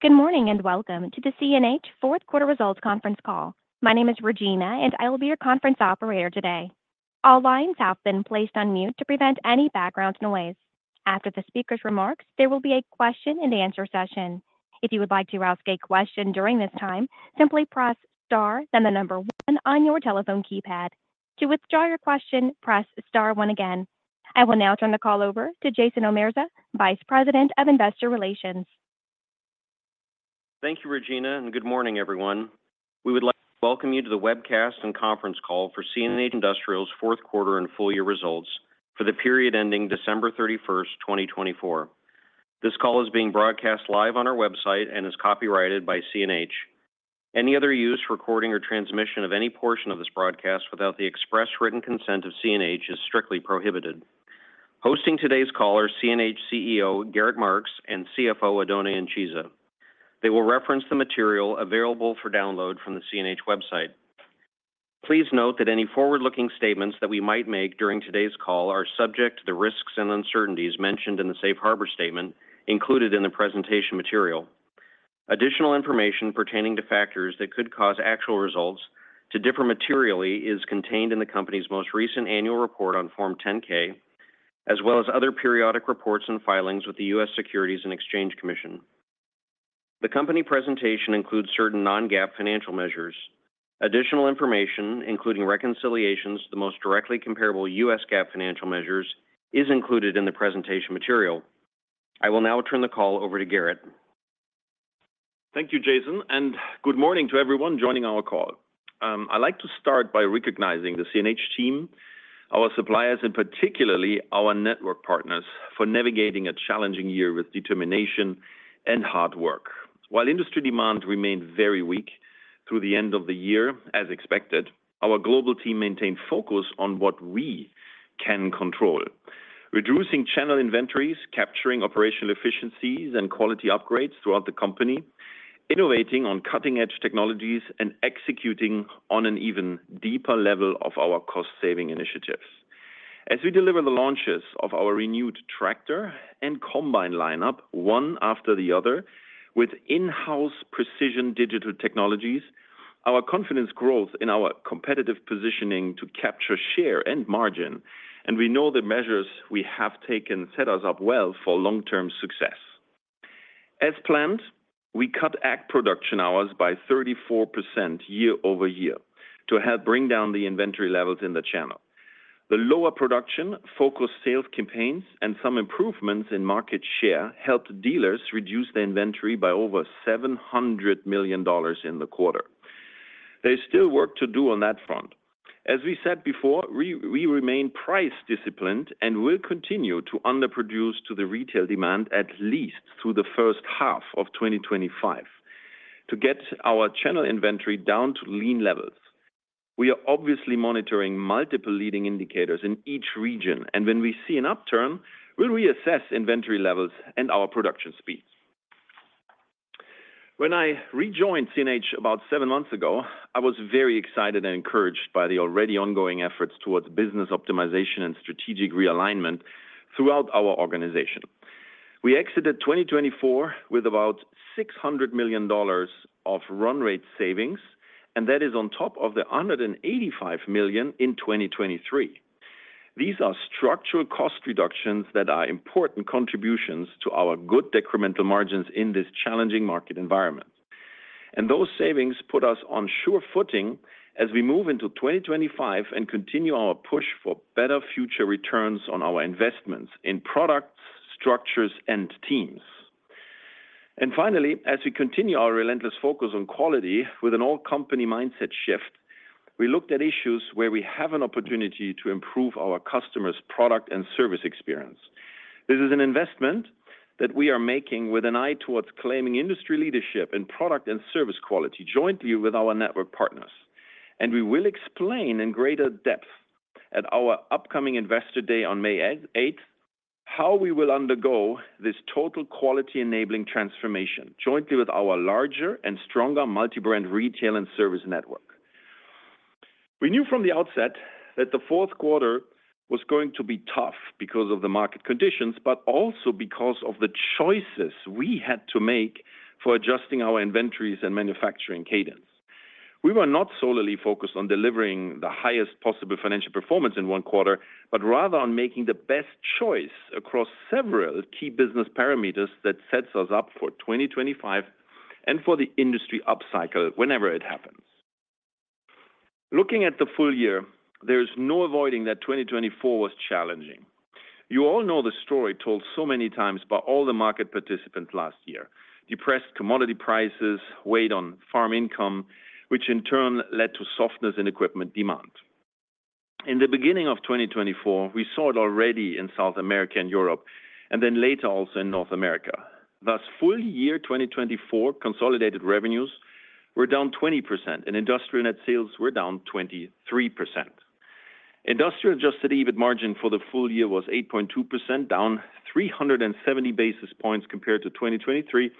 Good morning and welcome to the CNH fourth quarter results conference call. My name is Regina, and I will be your conference operator today. All lines have been placed on mute to prevent any background noise. After the speaker's remarks, there will be a question-and-answer session. If you would like to ask a question during this time, simply press star, then the number one on your telephone keypad. To withdraw your question, press star one again. I will now turn the call over to Jason Omerza, Vice President of Investor Relations. Thank you, Regina, and good morning, everyone. We would like to welcome you to the webcast and conference call for CNH Industrial's fourth quarter and full year results for the period ending December 31st, 2024. This call is being broadcast live on our website and is copyrighted by CNH. Any other use, recording, or transmission of any portion of this broadcast without the express written consent of CNH is strictly prohibited. Hosting today's call are CNH CEO Gerrit Marx and CFO Oddone Incisa. They will reference the material available for download from the CNH website. Please note that any forward-looking statements that we might make during today's call are subject to the risks and uncertainties mentioned in the safe harbor statement included in the presentation material. Additional information pertaining to factors that could cause actual results to differ materially is contained in the company's most recent annual report on Form 10-K, as well as other periodic reports and filings with the U.S. Securities and Exchange Commission. The company presentation includes certain non-GAAP financial measures. Additional information, including reconciliations to the most directly comparable U.S. GAAP financial measures, is included in the presentation material. I will now turn the call over to Gerritt. Thank you, Jason, and good morning to everyone joining our call. I'd like to start by recognizing the CNH team, our suppliers, and particularly our network partners for navigating a challenging year with determination and hard work. While industry demand remained very weak through the end of the year, as expected, our global team maintained focus on what we can control, reducing channel inventories, capturing operational efficiencies and quality upgrades throughout the company, innovating on cutting-edge technologies, and executing on an even deeper level of our cost-saving initiatives. As we deliver the launches of our renewed tractor and combine lineup, one after the other, with in-house precision digital technologies, our confidence grows in our competitive positioning to capture share and margin, and we know the measures we have taken set us up well for long-term success. As planned, we cut ag production hours by 34% year over year to help bring down the inventory levels in the channel. The lower production, focused sales campaigns, and some improvements in market share helped dealers reduce their inventory by over $700 million in the quarter. There is still work to do on that front. As we said before, we remain price disciplined and will continue to underproduce to the retail demand at least through the first half of 2025 to get our channel inventory down to lean levels. We are obviously monitoring multiple leading indicators in each region, and when we see an upturn, we'll reassess inventory levels and our production speeds. When I rejoined CNH about seven months ago, I was very excited and encouraged by the already ongoing efforts towards business optimization and strategic realignment throughout our organization. We exited 2024 with about $600 million of run rate savings, and that is on top of the $185 million in 2023. These are structural cost reductions that are important contributions to our good decremental margins in this challenging market environment. Those savings put us on sure footing as we move into 2025 and continue our push for better future returns on our investments in products, structures, and teams. Finally, as we continue our relentless focus on quality with an all-company mindset shift, we looked at issues where we have an opportunity to improve our customers' product and service experience. This is an investment that we are making with an eye towards claiming industry leadership in product and service quality jointly with our network partners. We will explain in greater depth at our upcoming investor day on May 8th how we will undergo this total quality-enabling transformation jointly with our larger and stronger multi-brand retail and service network. We knew from the outset that the fourth quarter was going to be tough because of the market conditions, but also because of the choices we had to make for adjusting our inventories and manufacturing cadence. We were not solely focused on delivering the highest possible financial performance in one quarter, but rather on making the best choice across several key business parameters that sets us up for 2025 and for the industry upcycle whenever it happens. Looking at the full year, there is no avoiding that 2024 was challenging. You all know the story told so many times by all the market participants last year: depressed commodity prices weighed on farm income, which in turn led to softness in equipment demand. In the beginning of 2024, we saw it already in South America and Europe, and then later also in North America. Thus, full year 2024 consolidated revenues were down 20%, and industrial net sales were down 23%. Industrial adjusted EBIT margin for the full year was 8.2%, down 370 basis points compared to 2023,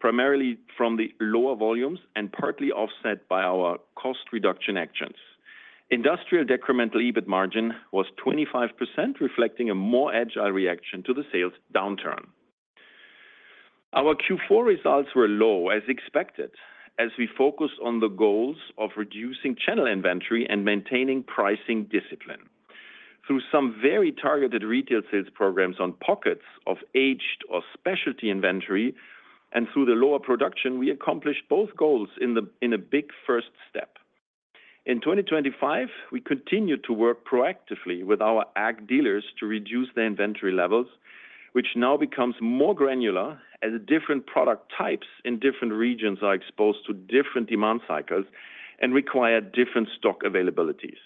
primarily from the lower volumes and partly offset by our cost reduction actions. Industrial decremental EBIT margin was 25%, reflecting a more agile reaction to the sales downturn. Our Q4 results were low, as expected, as we focused on the goals of reducing channel inventory and maintaining pricing discipline through some very targeted retail sales programs on pockets of aged or specialty inventory, and through the lower production, we accomplished both goals in a big first step. In 2025, we continued to work proactively with our Ag dealers to reduce their inventory levels, which now becomes more granular as different product types in different regions are exposed to different demand cycles and require different stock availabilities.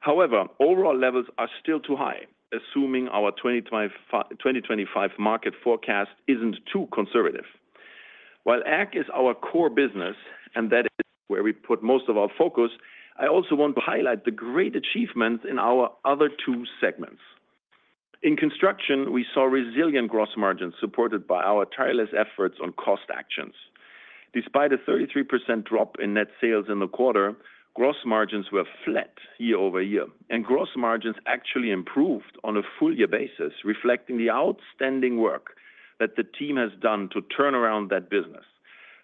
However, overall levels are still too high, assuming our 2025 market forecast isn't too conservative. While Ag is our core business, and that is where we put most of our focus, I also want to highlight the great achievements in our other two segments. In construction, we saw resilient gross margins supported by our tireless efforts on cost actions. Despite a 33% drop in net sales in the quarter, gross margins were flat year over year, and gross margins actually improved on a full year basis, reflecting the outstanding work that the team has done to turn around that business.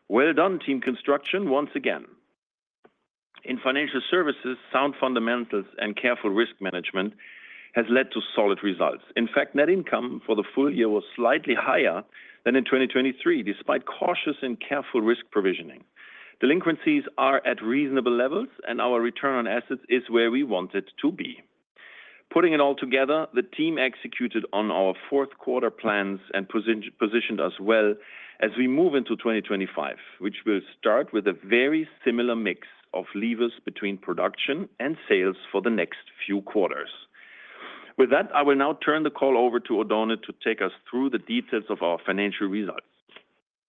Well done, team Construction, once again. In Financial Services, sound fundamentals and careful risk management have led to solid results. In fact, net income for the full year was slightly higher than in 2023, despite cautious and careful risk provisioning. Delinquencies are at reasonable levels, and our return on assets is where we want it to be. Putting it all together, the team executed on our fourth quarter plans and positioned us well as we move into 2025, which will start with a very similar mix of levers between production and sales for the next few quarters. With that, I will now turn the call over to Oddone to take us through the details of our financial results.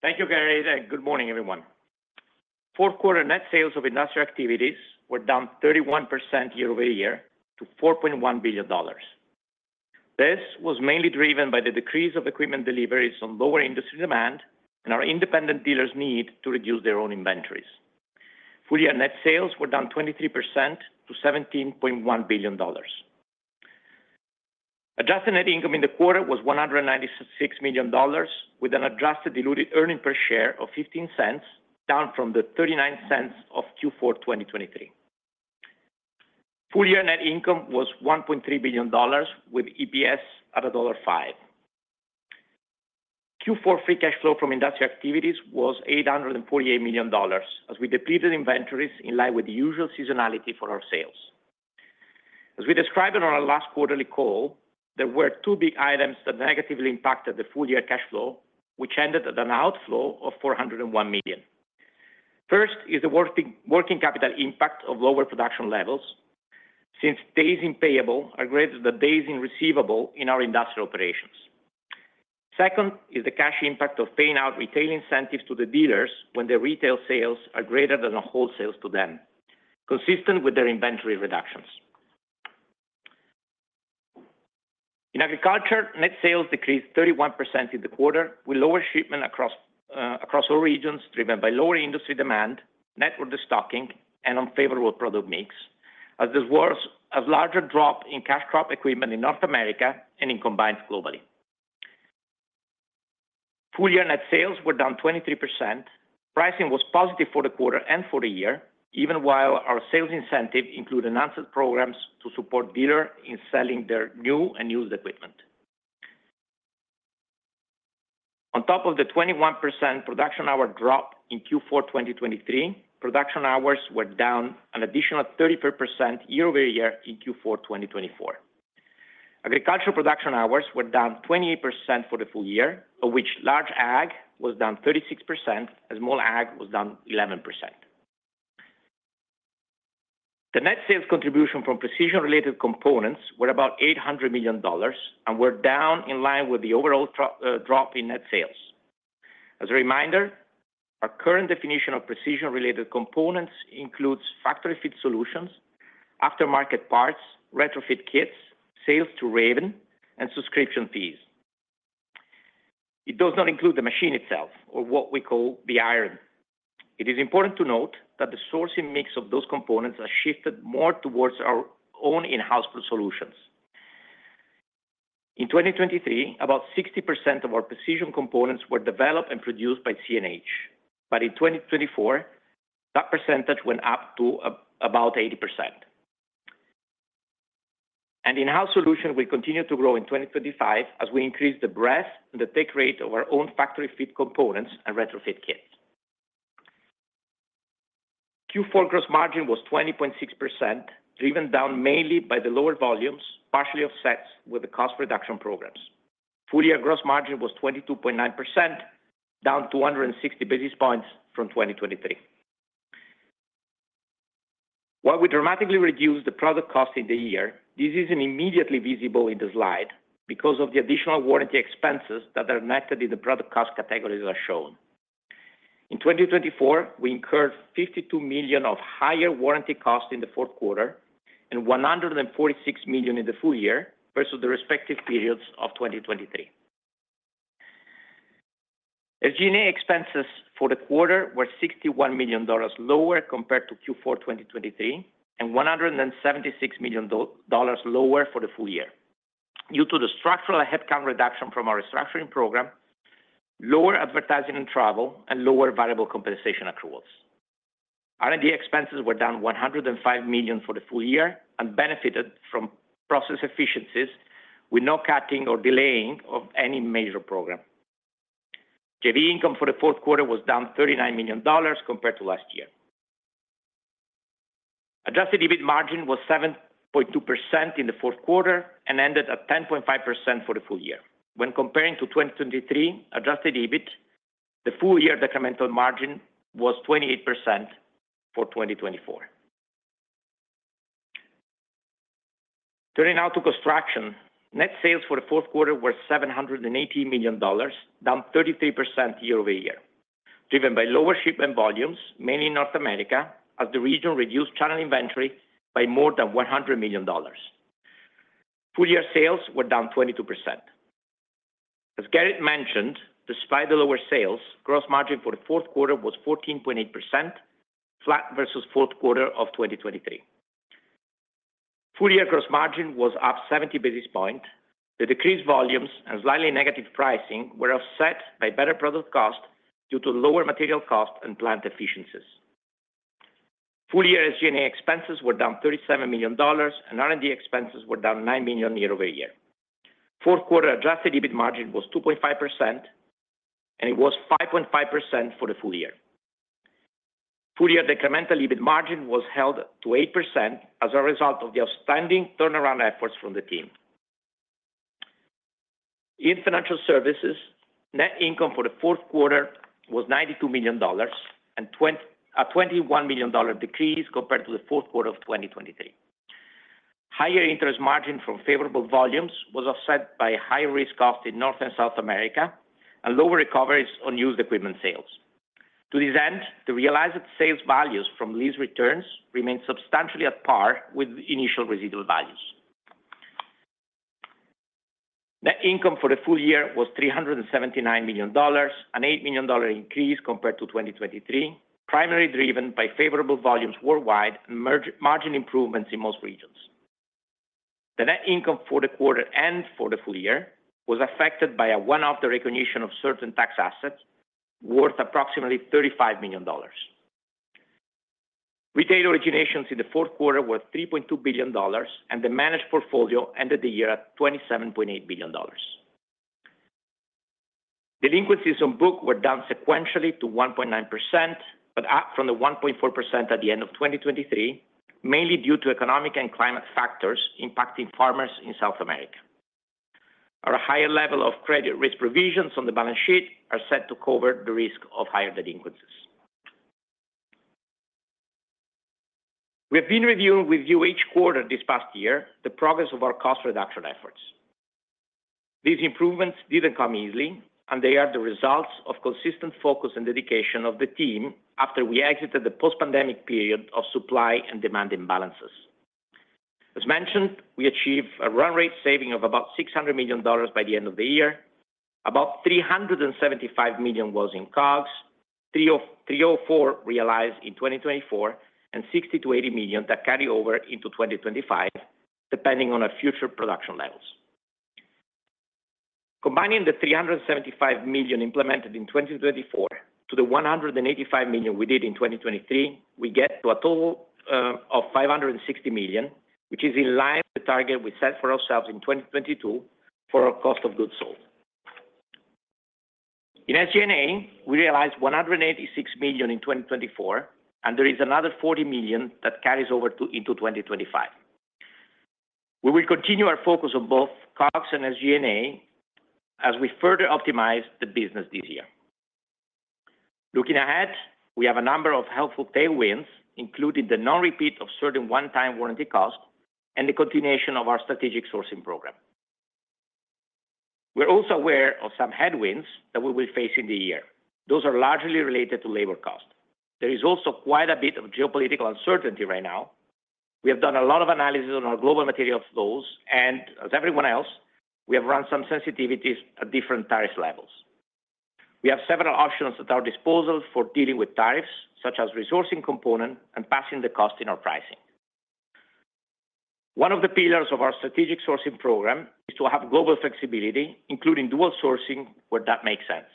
Thank you, Gerritt. Good morning, everyone. Fourth quarter net sales of industrial activities were down 31% year over year to $4.1 billion. This was mainly driven by the decrease of equipment deliveries on lower industry demand and our independent dealers' need to reduce their own inventories. Full year net sales were down 23% to $17.1 billion. Adjusted net income in the quarter was $196 million, with an adjusted diluted earnings per share of $0.15, down from the $0.39 of Q4 2023. Full year net income was $1.3 billion, with EPS at $1.05. Q4 free cash flow from industrial activities was $848 million, as we depleted inventories in line with the usual seasonality for our sales. As we described on our last quarterly call, there were two big items that negatively impacted the full year cash flow, which ended at an outflow of $401 million. First is the working capital impact of lower production levels, since days in payable are greater than days in receivable in our industrial operations. Second is the cash impact of paying out retail incentives to the dealers when their retail sales are greater than the wholesales to them, consistent with their inventory reductions. In agriculture, net sales decreased 31% in the quarter with lower shipment across all regions driven by lower industry demand, network destocking, and unfavorable product mix, as there was a larger drop in cash crop equipment in North America and in combines globally. Full year net sales were down 23%. Pricing was positive for the quarter and for the year, even while our sales incentive included announced programs to support dealers in selling their new and used equipment. On top of the 21% production hour drop in Q4 2023, production hours were down an additional 35% year over year in Q4 2024. Agricultural production hours were down 28% for the full year, of which large ag was down 36%, and small ag was down 11%. The net sales contribution from precision-related components was about $800 million and was down in line with the overall drop in net sales. As a reminder, our current definition of precision-related components includes factory-fit solutions, aftermarket parts, retrofit kits, sales to Raven, and subscription fees. It does not include the machine itself or what we call the iron. It is important to note that the sourcing mix of those components has shifted more towards our own in-house solutions. In 2023, about 60% of our precision components were developed and produced by CNH, but in 2024, that percentage went up to about 80%. In-house solutions will continue to grow in 2025 as we increase the breadth and the tech rate of our own factory-fit components and retrofit kits. Q4 gross margin was 20.6%, driven down mainly by the lower volumes, partially offset with the cost reduction programs. Full year gross margin was 22.9%, down 260 basis points from 2023. While we dramatically reduced the product cost in the year, this isn't immediately visible in the slide because of the additional warranty expenses that are netted in the product cost categories as shown. In 2024, we incurred $52 million of higher warranty costs in the fourth quarter and $146 million in the full year versus the respective periods of 2023. SG&A expenses for the quarter were $61 million lower compared to Q4 2023 and $176 million lower for the full year due to the structural headcount reduction from our restructuring program, lower advertising and travel, and lower variable compensation accruals. R&D expenses were down $105 million for the full year and benefited from process efficiencies with no cutting or delaying of any major program. JV income for the fourth quarter was down $39 million compared to last year. Adjusted EBIT margin was 7.2% in the fourth quarter and ended at 10.5% for the full year. When comparing to 2023 adjusted EBIT, the full year decremental margin was 28% for 2024. Turning now to construction, net sales for the fourth quarter were $718 million, down 33% year over year, driven by lower shipment volumes, mainly in North America, as the region reduced channel inventory by more than $100 million. Full year sales were down 22%. As Garrett mentioned, despite the lower sales, gross margin for the fourth quarter was 14.8%, flat versus fourth quarter of 2023. Full year gross margin was up 70 basis points. The decreased volumes and slightly negative pricing were offset by better product costs due to lower material costs and plant efficiencies. Full year SG&A expenses were down $37 million, and R&D expenses were down nine million year over year. Fourth quarter adjusted EBIT margin was 2.5%, and it was 5.5% for the full year. Full year decremental EBIT margin was held to 8% as a result of the outstanding turnaround efforts from the team. In financial services, net income for the fourth quarter was $92 million and a $21 million decrease compared to the fourth quarter of 2023. Higher interest margin from favorable volumes was offset by higher risk costs in North and South America and lower recoveries on used equipment sales. To this end, the realized sales values from lease returns remained substantially at par with initial residual values. Net income for the full year was $379 million, an $8 million increase compared to 2023, primarily driven by favorable volumes worldwide and margin improvements in most regions. The net income for the quarter and for the full year was affected by a one-off recognition of certain tax assets worth approximately $35 million. Retail originations in the fourth quarter were $3.2 billion, and the managed portfolio ended the year at $27.8 billion. Delinquencies on book were down sequentially to 1.9%, but up from the 1.4% at the end of 2023, mainly due to economic and climate factors impacting farmers in South America. Our higher level of credit risk provisions on the balance sheet are set to cover the risk of higher delinquencies. We have been reviewing with you each quarter this past year the progress of our cost reduction efforts. These improvements didn't come easily, and they are the result of consistent focus and dedication of the team after we exited the post-pandemic period of supply and demand imbalances. As mentioned, we achieved a run rate saving of about $600 million by the end of the year. About $375 million was in COGS, $304 million realized in 2024, and $60-$80 million that carry over into 2025, depending on future production levels. Combining the $375 million implemented in 2024 to the $185 million we did in 2023, we get to a total of $560 million, which is in line with the target we set for ourselves in 2022 for our cost of goods sold. In SG&A, we realized $186 million in 2024, and there is another $40 million that carries over into 2025. We will continue our focus on both COGS and SG&A as we further optimize the business this year. Looking ahead, we have a number of helpful tailwinds, including the non-repeat of certain one-time warranty costs and the continuation of our strategic sourcing program. We're also aware of some headwinds that we will face in the year. Those are largely related to labor costs. There is also quite a bit of geopolitical uncertainty right now. We have done a lot of analysis on our global material flows, and as everyone else, we have run some sensitivities at different tariff levels. We have several options at our disposal for dealing with tariffs, such as resourcing components and passing the cost in our pricing. One of the pillars of our strategic sourcing program is to have global flexibility, including dual sourcing where that makes sense.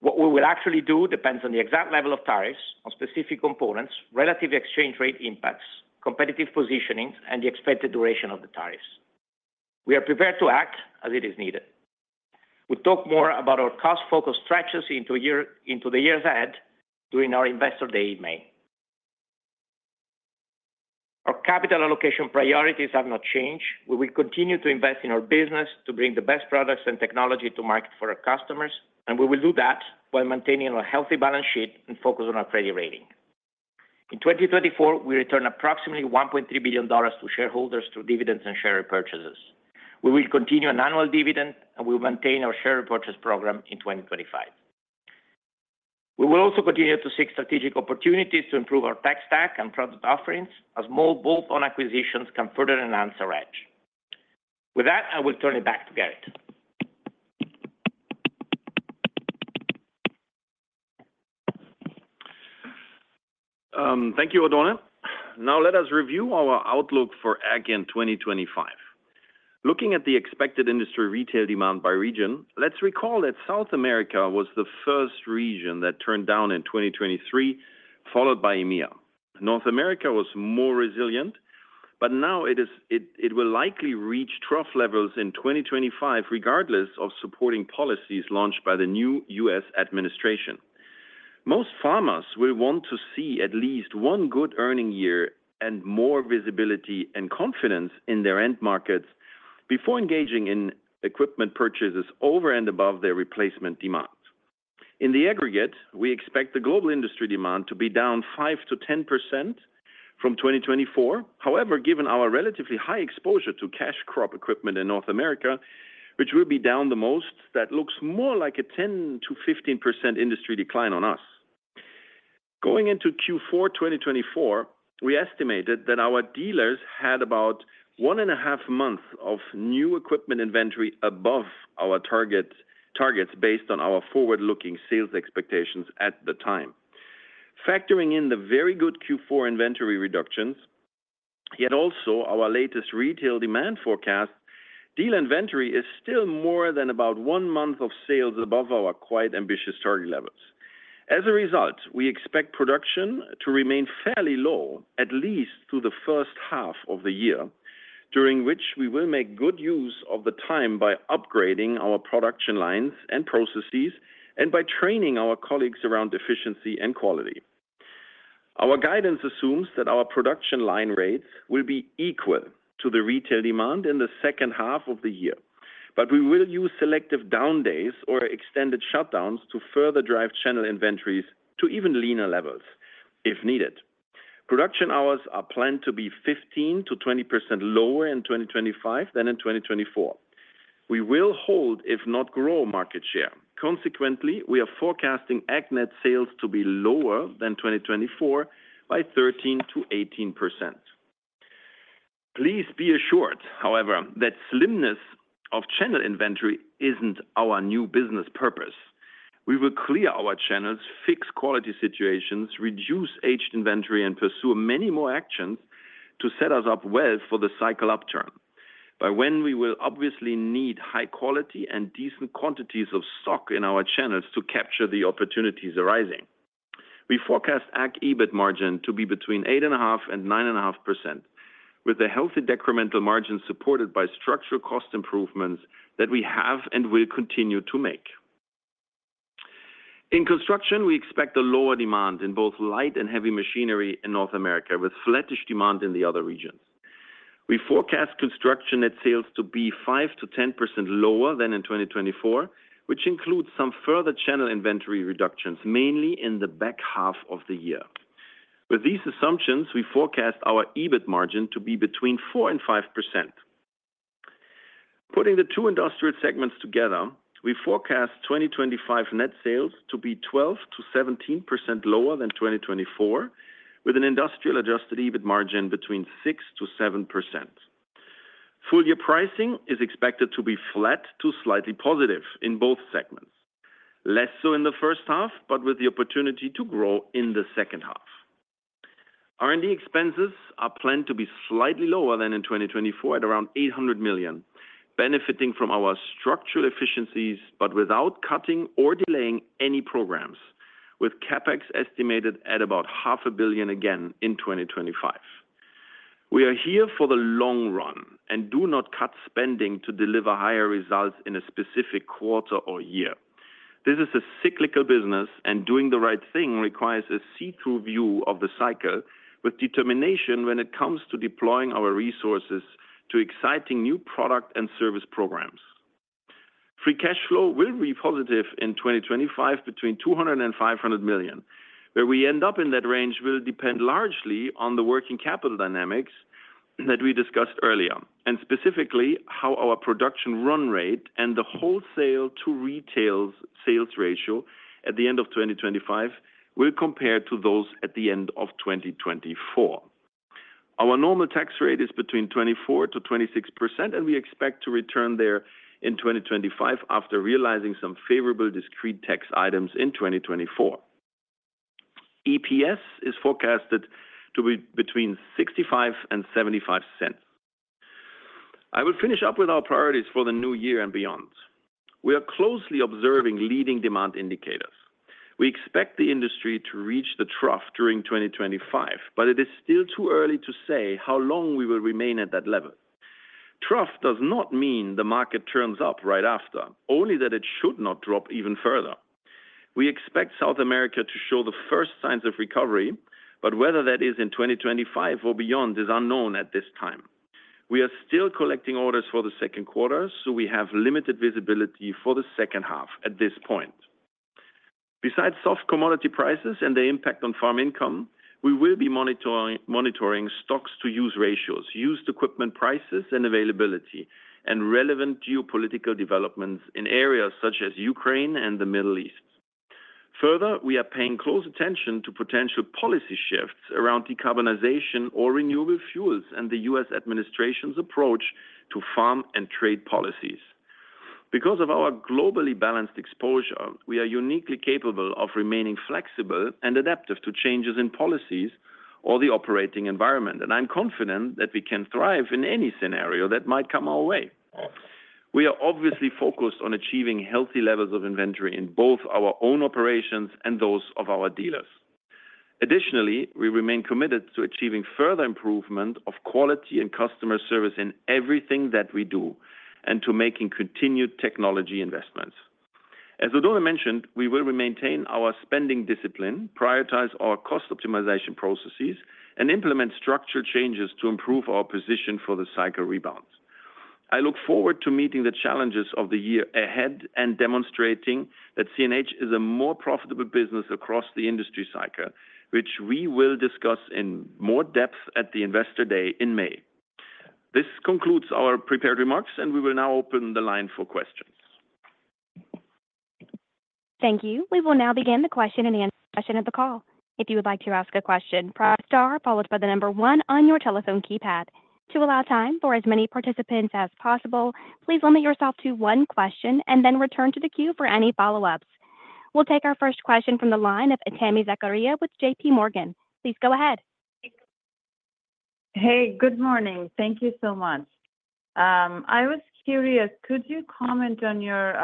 What we will actually do depends on the exact level of tariffs on specific components, relative exchange rate impacts, competitive positionings, and the expected duration of the tariffs. We are prepared to act as it is needed. We'll talk more about our cost-focused strategies into the years ahead during our investor day in May. Our capital allocation priorities have not changed. We will continue to invest in our business to bring the best products and technology to market for our customers, and we will do that while maintaining a healthy balance sheet and focus on our credit rating. In 2024, we return approximately $1.3 billion to shareholders through dividends and share repurchases. We will continue an annual dividend, and we will maintain our share repurchase program in 2025. We will also continue to seek strategic opportunities to improve our tech stack and product offerings as more bolt-on acquisitions can further enhance our edge. With that, I will turn it back to Gerrit. Thank you, Oddone. Now, let us review our outlook for AG in 2025. Looking at the expected industry retail demand by region, let's recall that South America was the first region that turned down in 2023, followed by EMEA. North America was more resilient, but now it will likely reach trough levels in 2025, regardless of supporting policies launched by the new U.S. administration. Most farmers will want to see at least one good earning year and more visibility and confidence in their end markets before engaging in equipment purchases over and above their replacement demand. In the aggregate, we expect the global industry demand to be down 5%-10% from 2024. However, given our relatively high exposure to cash crop equipment in North America, which will be down the most, that looks more like a 10%-15% industry decline on us. Going into Q4 2024, we estimated that our dealers had about one and a half months of new equipment inventory above our targets based on our forward-looking sales expectations at the time. Factoring in the very good Q4 inventory reductions, yet also our latest retail demand forecast, dealer inventory is still more than about one month of sales above our quite ambitious target levels. As a result, we expect production to remain fairly low, at least through the first half of the year, during which we will make good use of the time by upgrading our production lines and processes and by training our colleagues around efficiency and quality. Our guidance assumes that our production line rates will be equal to the retail demand in the second half of the year, but we will use selective down days or extended shutdowns to further drive channel inventories to even leaner levels if needed. Production hours are planned to be 15%-20% lower in 2025 than in 2024. We will hold, if not grow, market share. Consequently, we are forecasting Ag net sales to be lower than 2024 by 13%-18%. Please be assured, however, that slimness of channel inventory isn't our new business purpose. We will clear our channels, fix quality situations, reduce aged inventory, and pursue many more actions to set us up well for the cycle upturn, by when we will obviously need high quality and decent quantities of stock in our channels to capture the opportunities arising. We forecast Ag EBIT margin to be between 8.5% and 9.5%, with a healthy decremental margin supported by structural cost improvements that we have and will continue to make. In construction, we expect a lower demand in both light and heavy machinery in North America, with flattish demand in the other regions. We forecast construction net sales to be 5%-10% lower than in 2024, which includes some further channel inventory reductions, mainly in the back half of the year. With these assumptions, we forecast our EBIT margin to be between 4% and 5%. Putting the two industrial segments together, we forecast 2025 net sales to be 12%-17% lower than 2024, with an industrial adjusted EBIT margin between 6% to 7%. Full year pricing is expected to be flat to slightly positive in both segments, less so in the first half, but with the opportunity to grow in the second half. R&D expenses are planned to be slightly lower than in 2024 at around $800 million, benefiting from our structural efficiencies, but without cutting or delaying any programs, with CapEx estimated at about $500 million again in 2025. We are here for the long run and do not cut spending to deliver higher results in a specific quarter or year. This is a cyclical business, and doing the right thing requires a see-through view of the cycle with determination when it comes to deploying our resources to exciting new product and service programs. Free cash flow will be positive in 2025 between $200 and $500 million. Where we end up in that range will depend largely on the working capital dynamics that we discussed earlier, and specifically how our production run rate and the wholesale to retail sales ratio at the end of 2025 will compare to those at the end of 2024. Our normal tax rate is between 24%-26%, and we expect to return there in 2025 after realizing some favorable discrete tax items in 2024. EPS is forecasted to be between 65%-75%. I will finish up with our priorities for the new year and beyond. We are closely observing leading demand indicators. We expect the industry to reach the trough during 2025, but it is still too early to say how long we will remain at that level. Trough does not mean the market turns up right after, only that it should not drop even further. We expect South America to show the first signs of recovery, but whether that is in 2025 or beyond is unknown at this time. We are still collecting orders for the second quarter, so we have limited visibility for the second half at this point. Besides soft commodity prices and their impact on farm income, we will be monitoring stocks-to-use ratios, used equipment prices and availability, and relevant geopolitical developments in areas such as Ukraine and the Middle East. Further, we are paying close attention to potential policy shifts around decarbonization or renewable fuels and the U.S. administration's approach to farm and trade policies. Because of our globally balanced exposure, we are uniquely capable of remaining flexible and adaptive to changes in policies or the operating environment, and I'm confident that we can thrive in any scenario that might come our way. We are obviously focused on achieving healthy levels of inventory in both our own operations and those of our dealers. Additionally, we remain committed to achieving further improvement of quality and customer service in everything that we do and to making continued technology investments. As Oddone mentioned, we will maintain our spending discipline, prioritize our cost optimization processes, and implement structural changes to improve our position for the cycle rebound. I look forward to meeting the challenges of the year ahead and demonstrating that CNH is a more profitable business across the industry cycle, which we will discuss in more depth at the investor day in May. This concludes our prepared remarks, and we will now open the line for questions. Thank you. We will now begin the question and answer session of the call. If you would like to ask a question, press star followed by the number one on your telephone keypad. To allow time for as many participants as possible, please limit yourself to one question and then return to the queue for any follow-ups. We'll take our first question from the line of Tami Zakaria with J.P. Morgan. Please go ahead. Hey, good morning. Thank you so much. I was curious, could you comment on your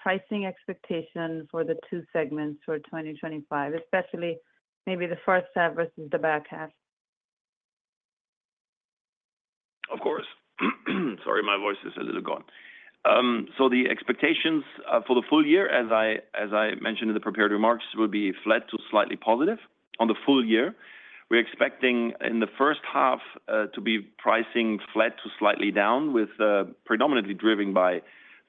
pricing expectation for the two segments for 2025, especially maybe the first half versus the back half? Of course. Sorry, my voice is a little gone. So the expectations for the full year, as I mentioned in the prepared remarks, will be flat to slightly positive on the full year. We're expecting in the first half to be pricing flat to slightly down, predominantly driven by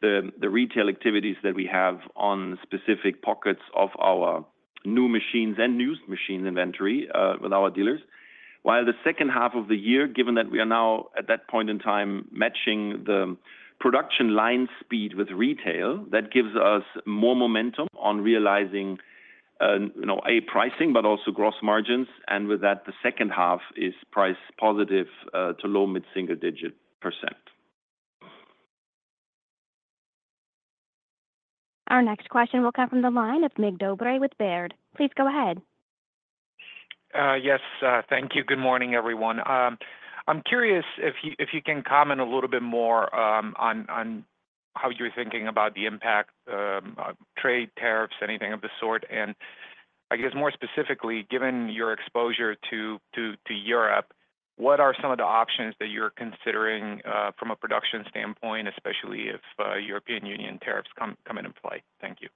the retail activities that we have on specific pockets of our new machines and used machines inventory with our dealers. While the second half of the year, given that we are now at that point in time matching the production line speed with retail, that gives us more momentum on realizing a pricing, but also gross margins, and with that, the second half is price positive to low mid-single digit %. Our next question will come from the line of Mircea (Mig) Dobre with Baird. Please go ahead. Yes, thank you. Good morning, everyone. I'm curious if you can comment a little bit more on how you're thinking about the impact of trade, tariffs, anything of the sort. And I guess more specifically, given your exposure to Europe, what are some of the options that you're considering from a production standpoint, especially if European Union tariffs come into play? Thank you.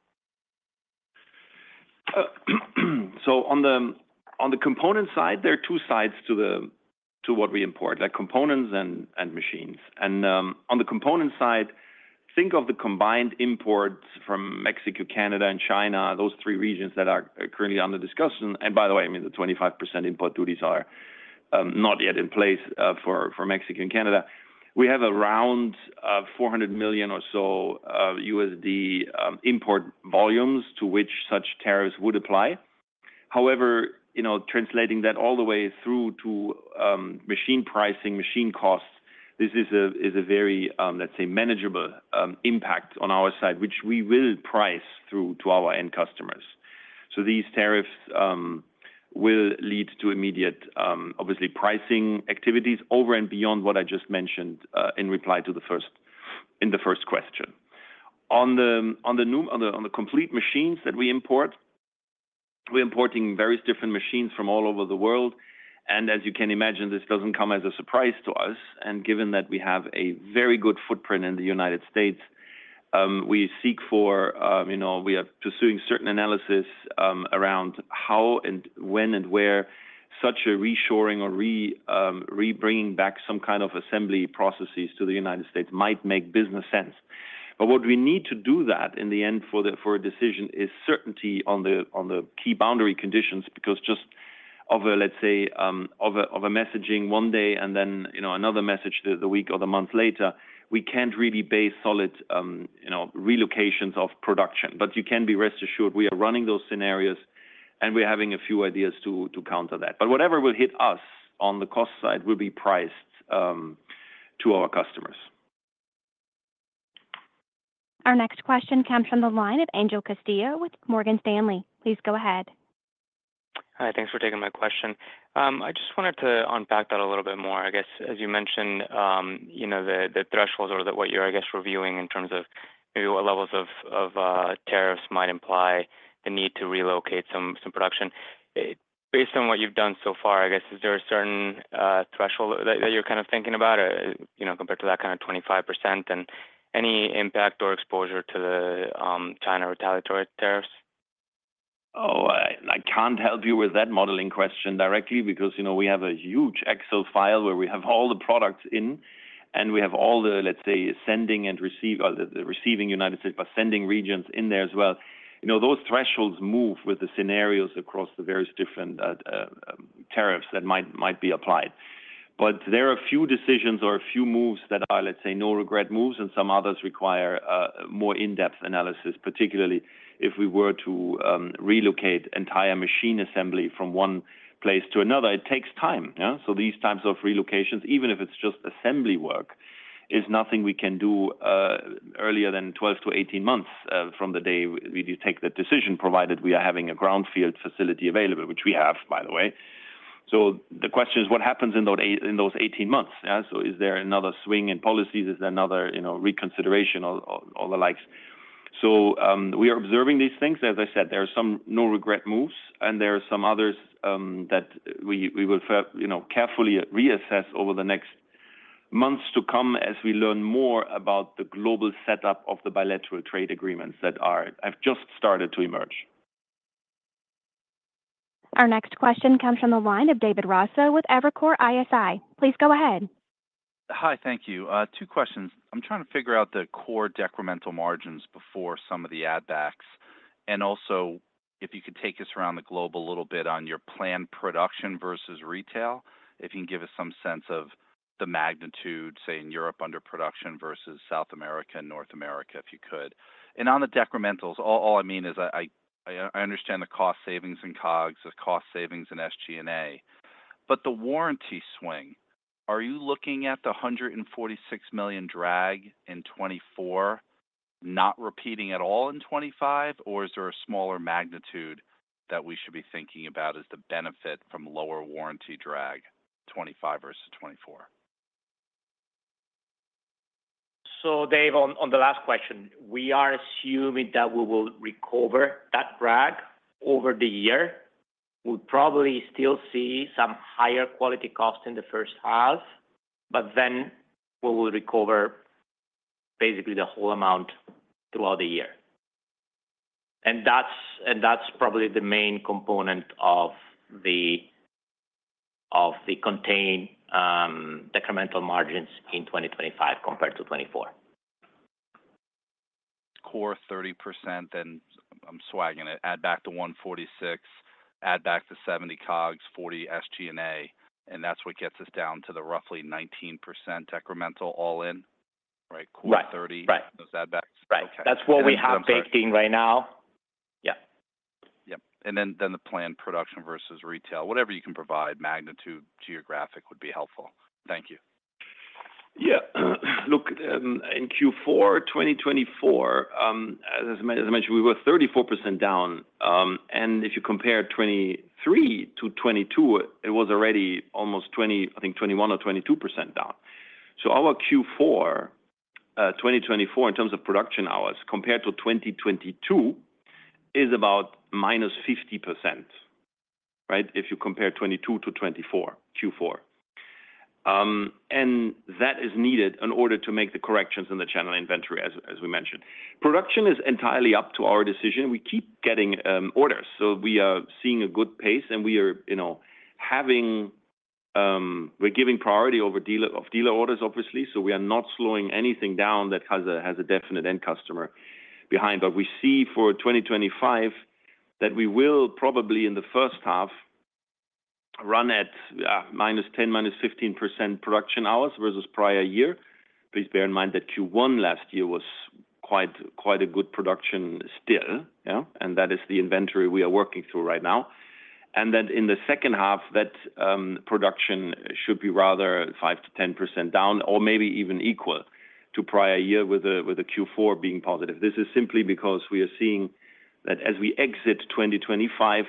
On the component side, there are two sides to what we import, components and machines. On the component side, think of the combined imports from Mexico, Canada, and China, those three regions that are currently under discussion. By the way, I mean, the 25% import duties are not yet in place for Mexico and Canada. We have around $400 million or so import volumes to which such tariffs would apply. However, translating that all the way through to machine pricing, machine costs, this is a very, let's say, manageable impact on our side, which we will price through to our end customers. These tariffs will lead to immediate, obviously, pricing activities over and beyond what I just mentioned in reply to the first question. On the complete machines that we import, we're importing various different machines from all over the world. As you can imagine, this doesn't come as a surprise to us. Given that we have a very good footprint in the United States, we are pursuing certain analysis around how and when and where such a reshoring or re-bringing back some kind of assembly processes to the United States might make business sense. What we need to do that in the end for a decision is certainty on the key boundary conditions, because just of a, let's say, of a messaging one day and then another message the week or the month later, we can't really base solid relocations of production. You can be rest assured, we are running those scenarios, and we're having a few ideas to counter that. Whatever will hit us on the cost side will be priced to our customers. Our next question comes from the line of Angel Castillo with Morgan Stanley. Please go ahead. Hi, thanks for taking my question. I just wanted to unpack that a little bit more. I guess, as you mentioned, the thresholds or what you're, I guess, reviewing in terms of maybe what levels of tariffs might imply the need to relocate some production. Based on what you've done so far, I guess, is there a certain threshold that you're kind of thinking about compared to that kind of 25% and any impact or exposure to the China retaliatory tariffs? Oh, I can't help you with that modeling question directly because we have a huge Excel file where we have all the products in, and we have all the, let's say, sending and receiving United States, but sending regions in there as well. Those thresholds move with the scenarios across the various different tariffs that might be applied. But there are a few decisions or a few moves that are, let's say, no regret moves, and some others require more in-depth analysis, particularly if we were to relocate entire machine assembly from one place to another. It takes time. So these types of relocations, even if it's just assembly work, is nothing we can do earlier than 12 to 18 months from the day we take that decision, provided we are having a greenfield facility available, which we have, by the way. So the question is, what happens in those 18 months? So is there another swing in policies? Is there another reconsideration or the likes? So we are observing these things. As I said, there are some no regret moves, and there are some others that we will carefully reassess over the next months to come as we learn more about the global setup of the bilateral trade agreements that have just started to emerge. Our next question comes from the line of David Raso with Evercore ISI. Please go ahead. Hi, thank you. Two questions. I'm trying to figure out the core decremental margins before some of the add-backs. And also, if you could take us around the globe a little bit on your planned production versus retail, if you can give us some sense of the magnitude, say, in Europe under production versus South America and North America, if you could. And on the decrementals, all I mean is I understand the cost savings in COGS, the cost savings in SG&A. But the warranty swing, are you looking at the $146 million drag in 2024 not repeating at all in 2025, or is there a smaller magnitude that we should be thinking about as the benefit from lower warranty drag 2025 versus 2024? So Dave, on the last question, we are assuming that we will recover that drag over the year. We'll probably still see some higher quality cost in the first half, but then we will recover basically the whole amount throughout the year. And that's probably the main component of the contained decremental margins in 2025 compared to 2024. Core 30%, then I'm swagging it, add back to 146, add back to 70 COGS, 40 SG&A, and that's what gets us down to the roughly 19% decremental all in, right? Core 30, those add-backs. That's what we have baked in right now. Yeah. Yep, and then the planned production versus retail, whatever you can provide, magnitude, geographic would be helpful. Thank you. Yeah. Look, in Q4 2024, as I mentioned, we were 34% down. And if you compare 2023 to 2022, it was already almost 20, I think 21 or 22% down. So our Q4 2024, in terms of production hours, compared to 2022, is about minus 50%, right, if you compare 2022 to 2024, Q4. And that is needed in order to make the corrections in the channel inventory, as we mentioned. Production is entirely up to our decision. We keep getting orders. So we are seeing a good pace, and we're giving priority of dealer orders, obviously. So we are not slowing anything down that has a definite end customer behind. But we see for 2025 that we will probably in the first half run at minus 10%-15% production hours versus prior year. Please bear in mind that Q1 last year was quite a good production still, and that is the inventory we are working through right now, and that in the second half, that production should be rather 5%-10% down or maybe even equal to prior year with a Q4 being positive. This is simply because we are seeing that as we exit 2025,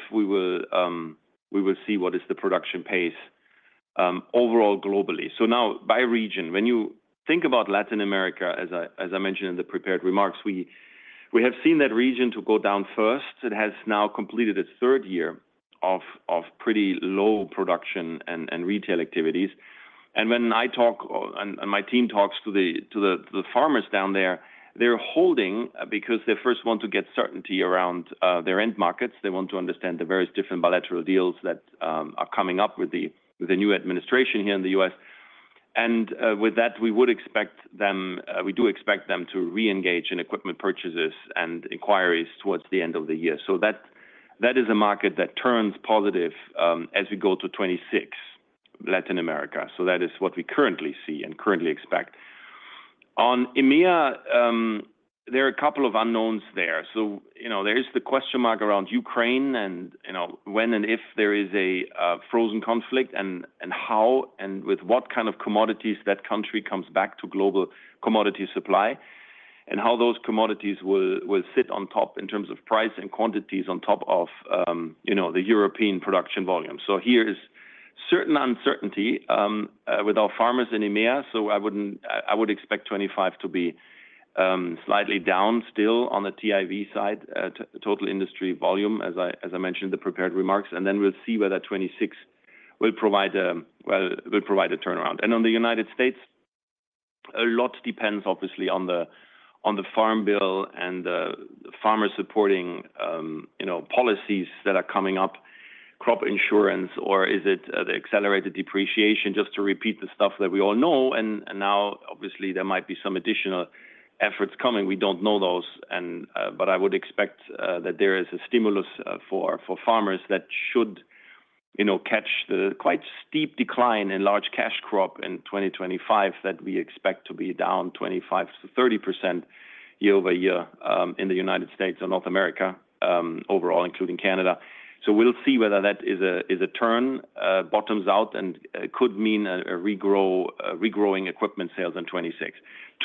we will see what is the production pace overall globally, so now, by region, when you think about Latin America, as I mentioned in the prepared remarks, we have seen that region to go down first. It has now completed its third year of pretty low production and retail activities, and when I talk and my team talks to the farmers down there, they're holding because they first want to get certainty around their end markets. They want to understand the various different bilateral deals that are coming up with the new administration here in the U.S. And with that, we would expect them we do expect them to re-engage in equipment purchases and inquiries towards the end of the year. So that is a market that turns positive as we go to 2026, Latin America. So that is what we currently see and currently expect. On EMEA, there are a couple of unknowns there. So there is the question mark around Ukraine and when and if there is a frozen conflict and how and with what kind of commodities that country comes back to global commodity supply and how those commodities will sit on top in terms of price and quantities on top of the European production volume. So here is certain uncertainty with our farmers in EMEA. I would expect 2025 to be slightly down still on the TIV side, total industry volume, as I mentioned in the prepared remarks. Then we'll see whether 2026 will provide a turnaround. On the United States, a lot depends obviously on the Farm Bill and the farmer-supporting policies that are coming up, crop insurance, or is it the accelerated depreciation, just to repeat the stuff that we all know. Now, obviously, there might be some additional efforts coming. We don't know those. But I would expect that there is a stimulus for farmers that should catch the quite steep decline in large cash crop in 2025 that we expect to be down 25%-30% year over year in the United States and North America overall, including Canada. So we'll see whether that is a turn bottoms out and could mean a regrowing equipment sales in 2026.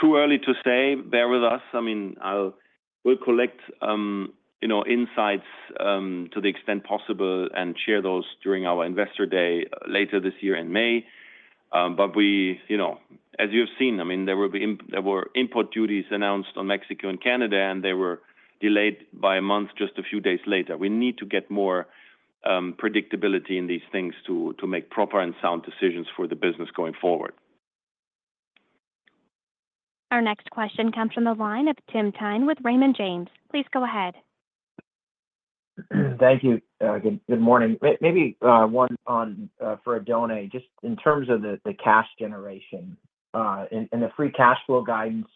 Too early to say, bear with us. I mean, we'll collect insights to the extent possible and share those during our investor day later this year in May. But as you have seen, I mean, there were import duties announced on Mexico and Canada, and they were delayed by a month just a few days later. We need to get more predictability in these things to make proper and sound decisions for the business going forward. Our next question comes from the line of Timothy Thein with Raymond James. Please go ahead. Thank you. Good morning. Maybe one for Oddone. Just in terms of the cash generation and the free cash flow guidance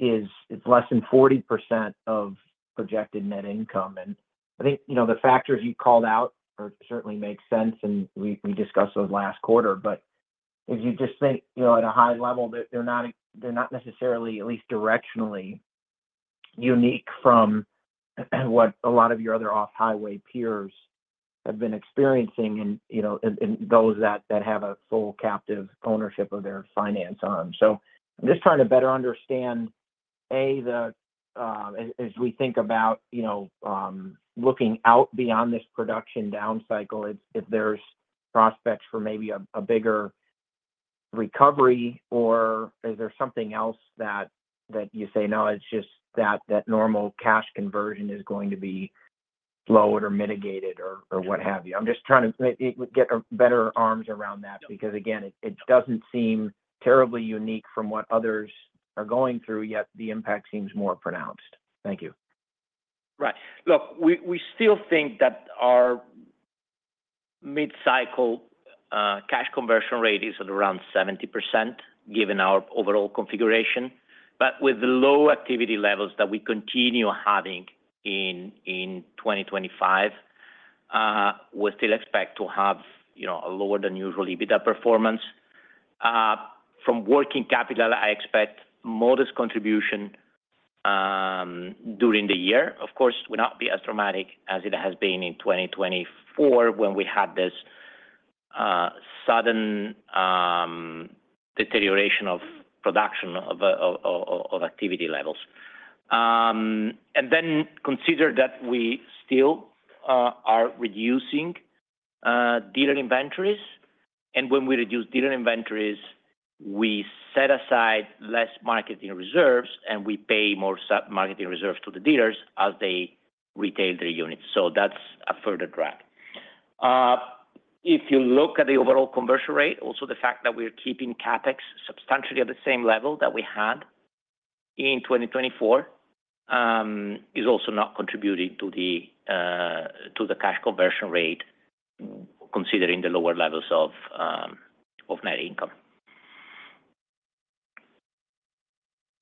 of $350 million, it's less than 40% of projected net income. And I think the factors you called out certainly make sense, and we discussed those last quarter. But if you just think at a high level, they're not necessarily, at least directionally, unique from what a lot of your other off-highway peers have been experiencing and those that have a full captive ownership of their finance arm. So I'm just trying to better understand, A, as we think about looking out beyond this production down cycle, if there's prospects for maybe a bigger recovery, or is there something else that you say, "No, it's just that normal cash conversion is going to be slowed or mitigated or what have you." I'm just trying to get better arms around that because, again, it doesn't seem terribly unique from what others are going through, yet the impact seems more pronounced. Thank you. Right. Look, we still think that our mid-cycle cash conversion rate is at around 70% given our overall configuration. But with the low activity levels that we continue having in 2025, we still expect to have a lower than usual EBITDA performance. From working capital, I expect modest contribution during the year. Of course, it will not be as dramatic as it has been in 2024 when we had this sudden deterioration of production of activity levels. And then consider that we still are reducing dealer inventories. And when we reduce dealer inventories, we set aside less marketing reserves, and we pay more marketing reserves to the dealers as they retail their units. So that's a further drag. If you look at the overall conversion rate, also the fact that we're keeping CapEx substantially at the same level that we had in 2024 is also not contributing to the cash conversion rate, considering the lower levels of net income.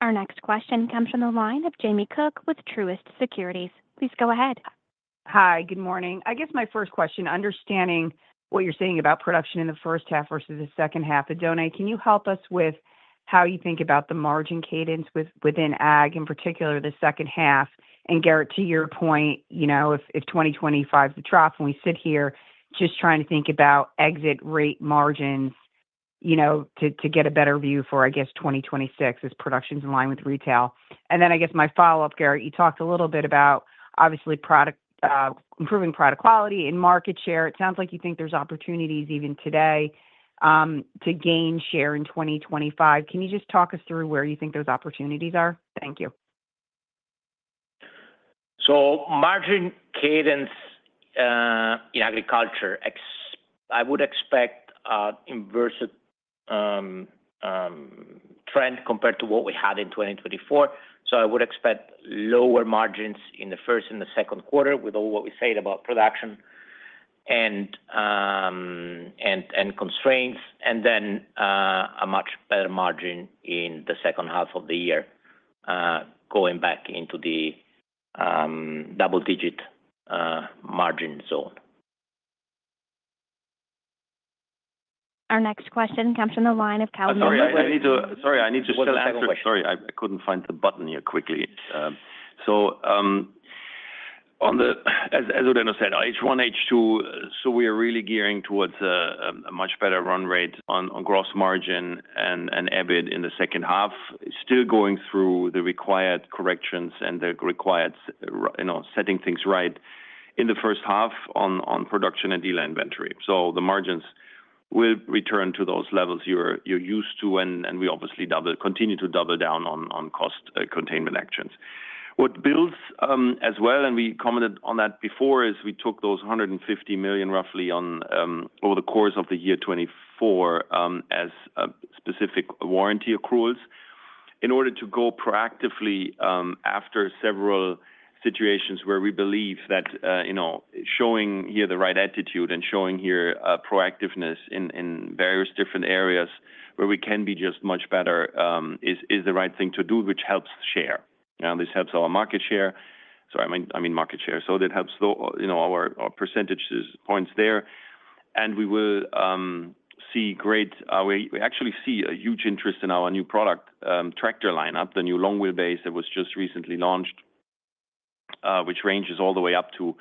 Our next question comes from the line of Jamie Cook with Truist Securities. Please go ahead. Hi, good morning. I guess my first question, understanding what you're saying about production in the first half versus the second half, Oddone, can you help us with how you think about the margin cadence within ag, in particular the second half? And Gerrit, to your point, if 2025 is the trough, and we sit here just trying to think about exit rate margins to get a better view for, I guess, 2026 as production's in line with retail. And then I guess my follow-up, Gerrit, you talked a little bit about, obviously, improving product quality and market share. It sounds like you think there's opportunities even today to gain share in 2025. Can you just talk us through where you think those opportunities are? Thank you. So margin cadence in agriculture, I would expect an inverse trend compared to what we had in 2024. So I would expect lower margins in the first and the second quarter with all what we said about production and constraints, and then a much better margin in the second half of the year going back into the double-digit margin zone. Our next question comes from the line of Calvin. Sorry, I need to—what's the second question? Sorry, I couldn't find the button here quickly. As Oddone said, H1, H2, we are really gearing towards a much better run rate on gross margin and EBIT in the second half, still going through the required corrections and the required setting things right in the first half on production and dealer inventory. The margins will return to those levels you're used to, and we obviously continue to double down on cost containment actions. What builds as well, and we commented on that before, is we took those $150 million roughly over the course of the year 2024 as specific warranty accruals in order to go proactively after several situations where we believe that showing here the right attitude and showing here proactiveness in various different areas where we can be just much better is the right thing to do, which helps share. This helps our market share. Sorry, I mean market share. So that helps our percentage points there. And we will see great, we actually see a huge interest in our new product tractor lineup, the new long wheelbase that was just recently launched, which ranges all the way up to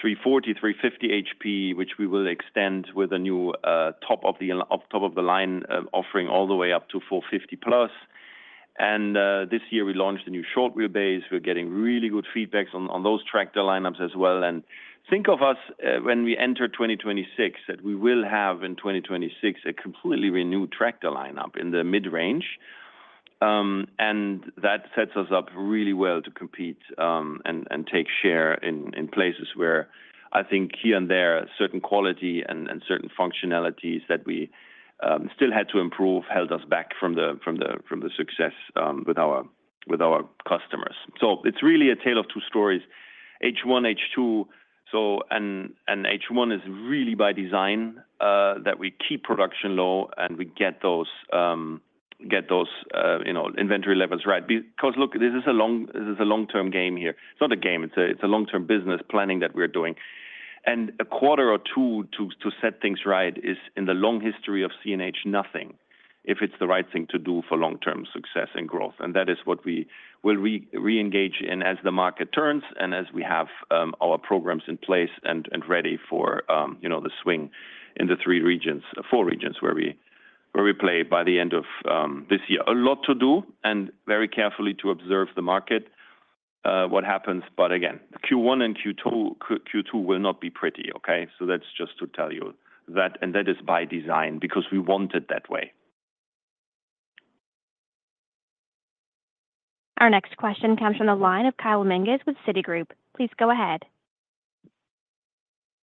340, 350 HP, which we will extend with a new top-of-the-line offering all the way up to 450 plus. And this year, we launched a new short wheelbase. We're getting really good feedback on those tractor lineups as well. And think of us when we enter 2026, that we will have in 2026 a completely renewed tractor lineup in the mid-range. And that sets us up really well to compete and take share in places where I think here and there, certain quality and certain functionalities that we still had to improve held us back from the success with our customers. So it's really a tale of two stories. H1, H2, and H1 is really by design that we keep production low and we get those inventory levels right. Because look, this is a long-term game here. It's not a game. It's a long-term business planning that we're doing. And a quarter or two to set things right is, in the long history of CNH, nothing if it's the right thing to do for long-term success and growth. That is what we will re-engage in as the market turns and as we have our programs in place and ready for the swing in the three regions, four regions where we play by the end of this year. A lot to do and very carefully to observe the market, what happens. Again, Q1 and Q2 will not be pretty, okay? That's just to tell you that. That is by design because we want it that way. Our next question comes from the line of Kyle Menges with Citigroup. Please go ahead.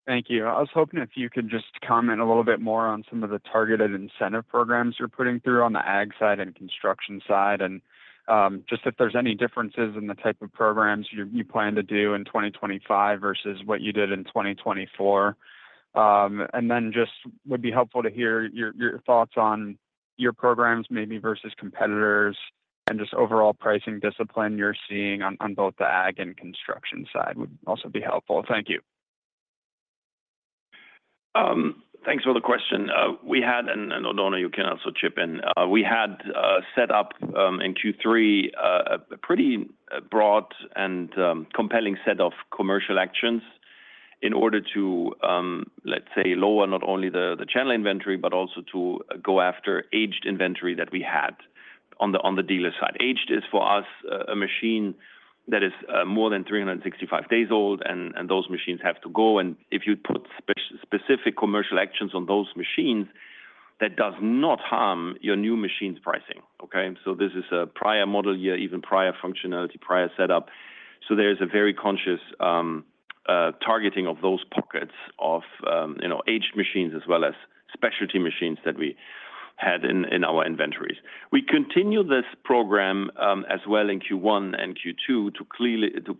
Thank you. I was hoping if you could just comment a little bit more on some of the targeted incentive programs you're putting through on the ag side and construction side and just if there's any differences in the type of programs you plan to do in 2025 versus what you did in 2024? And then just would be helpful to hear your thoughts on your programs maybe versus competitors and just overall pricing discipline you're seeing on both the ag and construction side would also be helpful. Thank you. Thanks for the question. We had, and Oddone, you can also chip in, we had set up in Q3 a pretty broad and compelling set of commercial actions in order to, let's say, lower not only the channel inventory, but also to go after aged inventory that we had on the dealer side. Aged is for us a machine that is more than 365 days old, and those machines have to go. And if you put specific commercial actions on those machines, that does not harm your new machine's pricing, okay? So this is a prior model year, even prior functionality, prior setup. So there is a very conscious targeting of those pockets of aged machines as well as specialty machines that we had in our inventories. We continue this program as well in Q1 and Q2 to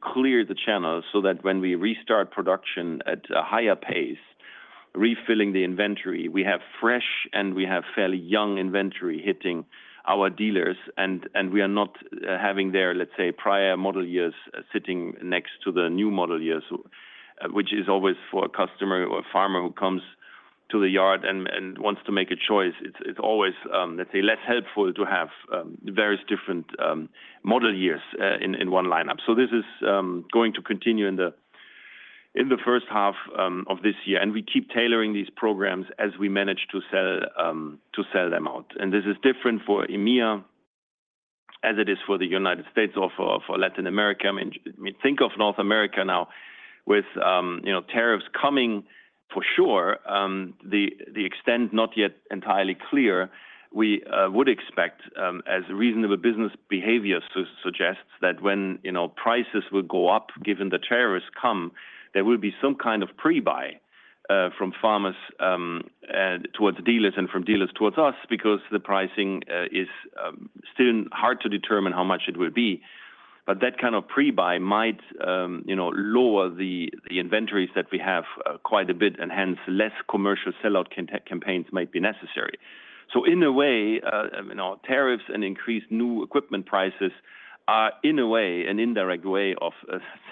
clear the channel so that when we restart production at a higher pace, refilling the inventory, we have fresh and we have fairly young inventory hitting our dealers. And we are not having their, let's say, prior model years sitting next to the new model years, which is always for a customer or a farmer who comes to the yard and wants to make a choice. It's always, let's say, less helpful to have various different model years in one lineup. So this is going to continue in the first half of this year. And we keep tailoring these programs as we manage to sell them out. And this is different for EMEA as it is for the United States or for Latin America. I mean, think of North America now with tariffs coming for sure. the extent not yet entirely clear, we would expect, as reasonable business behavior suggests, that when prices will go up, given the tariffs come, there will be some kind of pre-buy from farmers towards dealers and from dealers towards us because the pricing is still hard to determine how much it will be. But that kind of pre-buy might lower the inventories that we have quite a bit, and hence, less commercial sellout campaigns might be necessary. So in a way, tariffs and increased new equipment prices are in a way, an indirect way of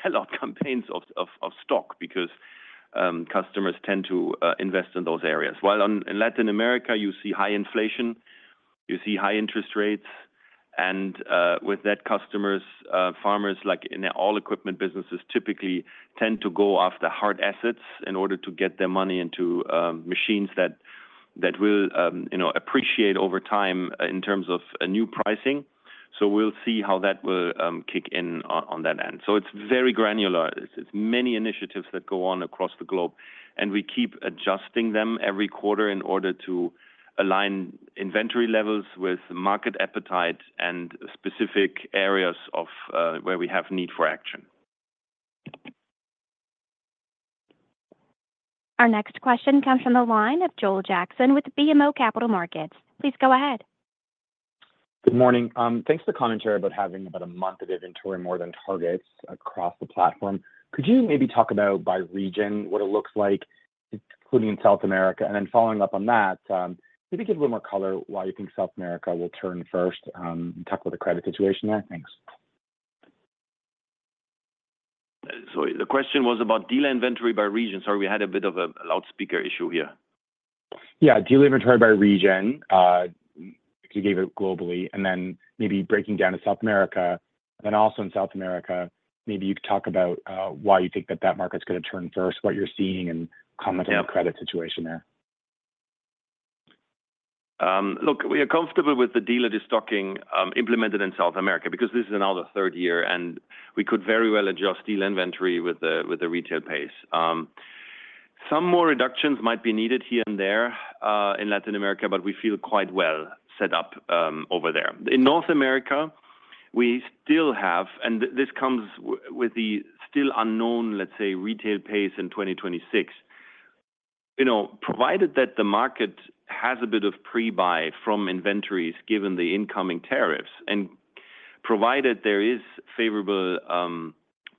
sellout campaigns of stock because customers tend to invest in those areas. While in Latin America, you see high inflation, you see high interest rates, and with that, customers, farmers, like in all equipment businesses, typically tend to go after hard assets in order to get their money into machines that will appreciate over time in terms of new pricing, so we'll see how that will kick in on that end, so it's very granular. It's many initiatives that go on across the globe, and we keep adjusting them every quarter in order to align inventory levels with market appetite and specific areas where we have need for action. Our next question comes from the line of Joel Jackson with BMO Capital Markets. Please go ahead. Good morning. Thanks for the commentary about having about a month of inventory more than targets across the platform. Could you maybe talk about, by region, what it looks like, including in South America? And then following up on that, maybe give a little more color why you think South America will turn first and talk about the credit situation there? Thanks. So the question was about dealer inventory by region. Sorry, we had a bit of a loudspeaker issue here. Yeah. Dealer inventory by region, if you gave it globally, and then maybe breaking down to South America, and then also in South America, maybe you could talk about why you think that that market's going to turn first, what you're seeing, and comment on the credit situation there. Look, we are comfortable with the dealer destocking implemented in South America because this is another third year, and we could very well adjust dealer inventory with the retail pace. Some more reductions might be needed here and there in Latin America, but we feel quite well set up over there. In North America, we still have (and this comes with the still unknown, let's say, retail pace in 2026) provided that the market has a bit of pre-buy from inventories given the incoming tariffs and provided there are favorable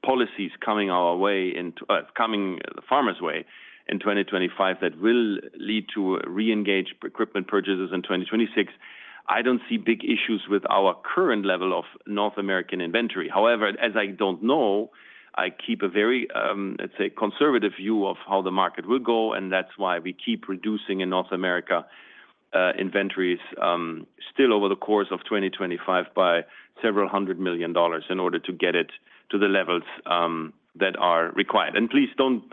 policies coming our way and coming the farmers' way in 2025 that will lead to re-engage equipment purchases in 2026, I don't see big issues with our current level of North American inventory. However, as I don't know, I keep a very, let's say, conservative view of how the market will go, and that's why we keep reducing in North America inventories still over the course of 2025 by $several hundred million in order to get it to the levels that are required, and please don't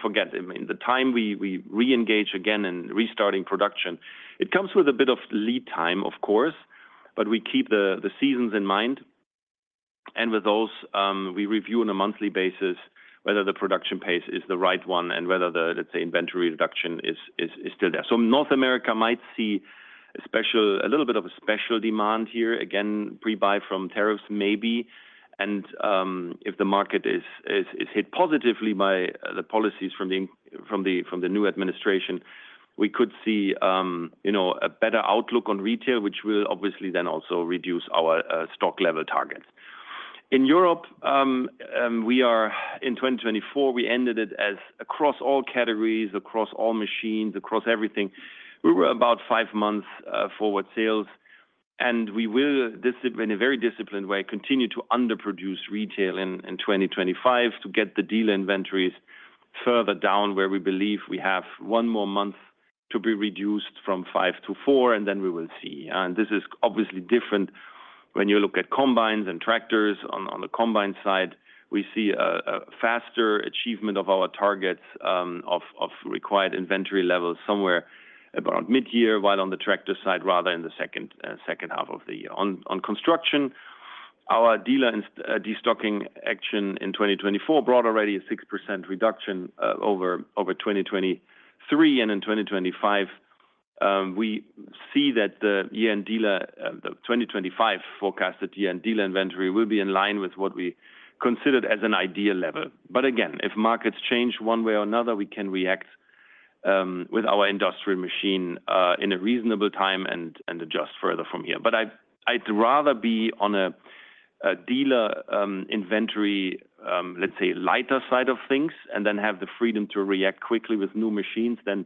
forget, I mean, the time we re-engage again and restarting production, it comes with a bit of lead time, of course, but we keep the seasons in mind, and with those, we review on a monthly basis whether the production pace is the right one and whether the, let's say, inventory reduction is still there, so North America might see a little bit of a special demand here. Again, pre-buy from tariffs maybe. And if the market is hit positively by the policies from the new administration, we could see a better outlook on retail, which will obviously then also reduce our stock level targets. In Europe, in 2024, we ended it as across all categories, across all machines, across everything. We were about five months forward sales. And we will, in a very disciplined way, continue to underproduce retail in 2025 to get the dealer inventories further down where we believe we have one more month to be reduced from five to four, and then we will see. And this is obviously different when you look at combines and tractors. On the combine side, we see a faster achievement of our targets of required inventory levels somewhere around mid-year, while on the tractor side, rather in the second half of the year. On construction, our dealer destocking action in 2024 brought already a 6% reduction over 2023, and in 2025, we see that the year-end dealer, the 2025 forecasted year-end dealer inventory will be in line with what we considered as an ideal level, but again, if markets change one way or another, we can react with our industrial machine in a reasonable time and adjust further from here, but I'd rather be on a dealer inventory, let's say, lighter side of things and then have the freedom to react quickly with new machines than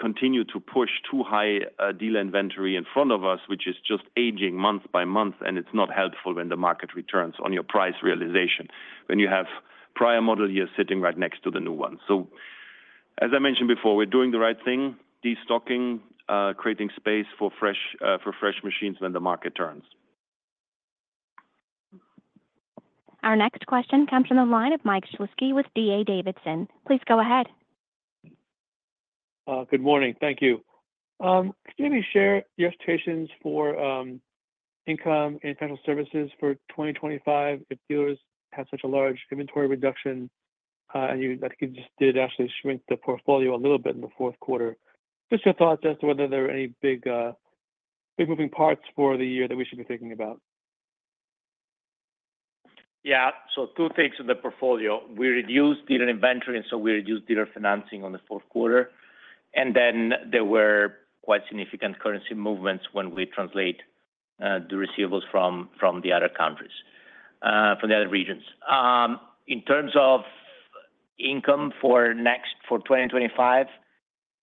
continue to push too high dealer inventory in front of us, which is just aging month by month, and it's not helpful when the market returns on your price realization when you have prior model years sitting right next to the new ones. So as I mentioned before, we're doing the right thing, destocking, creating space for fresh machines when the market turns. Our next question comes from the line of Michael Shlisky with D.A. Davidson. Please go ahead. Good morning. Thank you. Could you maybe share your expectations for income and financial services for 2025 if dealers have such a large inventory reduction, and I think you just did actually shrink the portfolio a little bit in the fourth quarter. Just your thoughts as to whether there are any big moving parts for the year that we should be thinking about. Yeah. So two things in the portfolio. We reduced dealer inventory, and so we reduced dealer financing in the fourth quarter. Then there were quite significant currency movements when we translated the receivables from the other countries, from the other regions. In terms of income for 2025,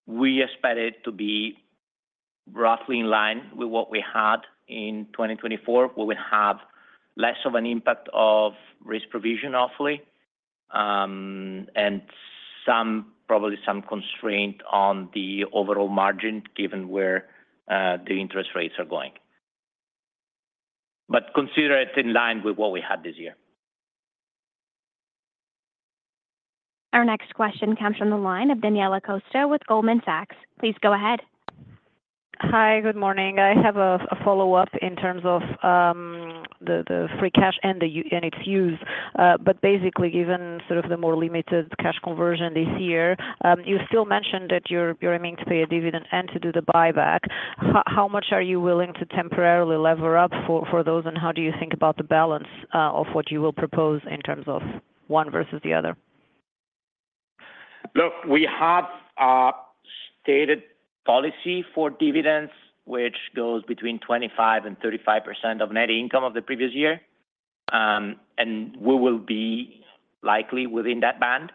we expect it to be roughly in line with what we had in 2024, where we have less of an impact of risk provision, hopefully, and probably some constraint on the overall margin given where the interest rates are going. But consider it in line with what we had this year. Our next question comes from the line of Daniela Costa with Goldman Sachs. Please go ahead. Hi, good morning. I have a follow-up in terms of the free cash and its use. But basically, given sort of the more limited cash conversion this year, you still mentioned that you're aiming to pay a dividend and to do the buyback. How much are you willing to temporarily lever up for those, and how do you think about the balance of what you will propose in terms of one versus the other? Look, we have a stated policy for dividends, which goes between 25% and 35% of net income of the previous year, and we will be likely within that band,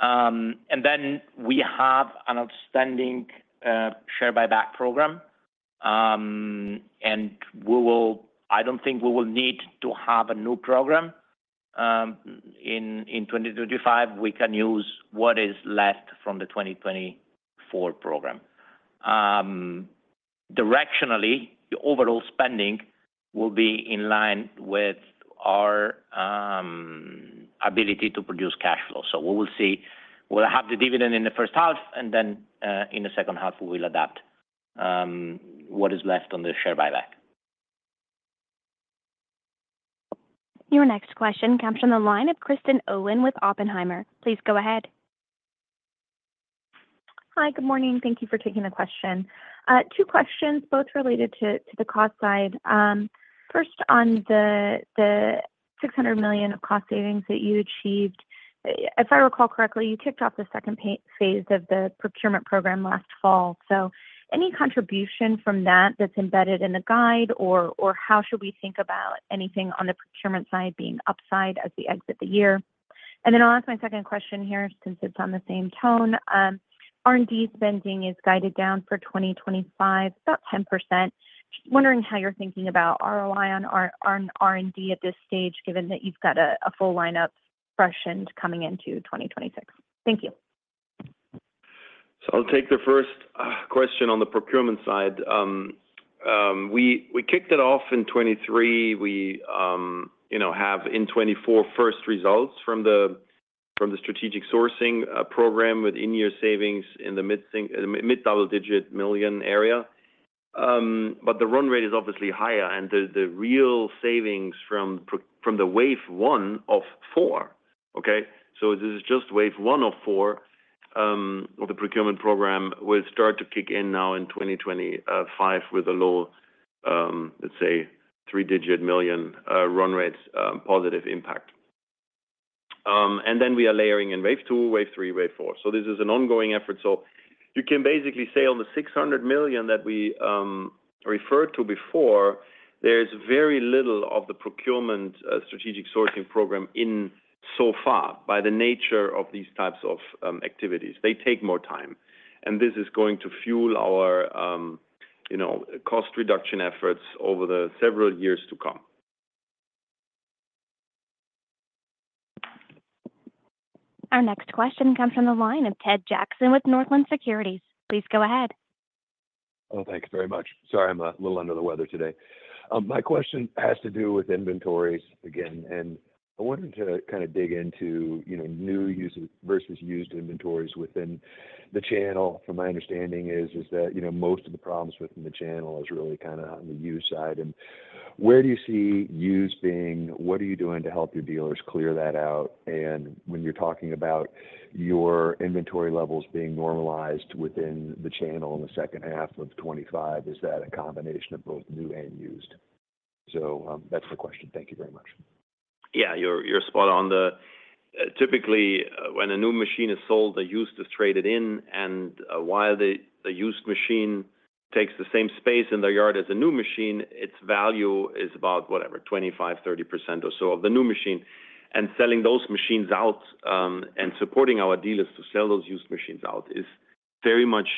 and then we have an outstanding share buyback program, and I don't think we will need to have a new program. In 2025, we can use what is left from the 2024 program. Directionally, the overall spending will be in line with our ability to produce cash flow, so we will see. We'll have the dividend in the first half, and then in the second half, we will adapt what is left on the share buyback. Your next question comes from the line of Kristen Owen with Oppenheimer. Please go ahead. Hi, good morning. Thank you for taking the question. Two questions, both related to the cost side. First, on the $600 million of cost savings that you achieved, if I recall correctly, you kicked off the second phase of the procurement program last fall. So any contribution from that that's embedded in the guide, or how should we think about anything on the procurement side being upside as we exit the year? And then I'll ask my second question here since it's on the same tone. R&D spending is guided down for 2025, about 10%. Just wondering how you're thinking about ROI on R&D at this stage, given that you've got a full lineup freshened coming into 2026. Thank you. So I'll take the first question on the procurement side. We kicked it off in 2023. We have in 2024 first results from the strategic sourcing program with in-year savings in the mid-double-digit million area. But the run rate is obviously higher, and the real savings from the wave one of four, okay? So this is just wave one of four of the procurement program will start to kick in now in 2025 with a low, let's say, three-digit million run rate positive impact. And then we are layering in wave two, wave three, wave four. So this is an ongoing effort. So you can basically say on the $600 million that we referred to before, there's very little of the procurement strategic sourcing program in so far by the nature of these types of activities. They take more time. This is going to fuel our cost reduction efforts over the several years to come. Our next question comes from the line of Ted Jackson with Northland Securities. Please go ahead. Oh, thanks very much. Sorry, I'm a little under the weather today. My question has to do with inventories again. And I wanted to kind of dig into new versus used inventories within the channel. From my understanding, is that most of the problems within the channel is really kind of on the used side. And where do you see used being? What are you doing to help your dealers clear that out? And when you're talking about your inventory levels being normalized within the channel in the second half of 2025, is that a combination of both new and used? So that's the question. Thank you very much. Yeah, you're spot on. Typically, when a new machine is sold, a used is traded in. And while the used machine takes the same space in the yard as a new machine, its value is about, whatever, 25%-30% or so of the new machine. And selling those machines out and supporting our dealers to sell those used machines out is very much